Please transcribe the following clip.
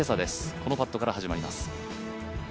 このパットから始まります。